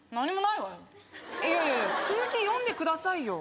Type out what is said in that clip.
いやいや続き読んでくださいよ